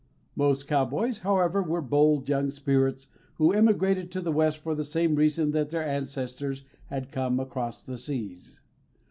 Most cowboys, however, were bold young spirits who emigrated to the West for the same reason that their ancestors had come across the seas.